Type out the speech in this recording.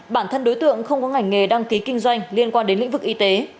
bản thân đối tượng không có ngành nghề đăng ký kinh doanh liên quan đến lĩnh vực y tế